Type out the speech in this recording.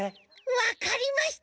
わかりました。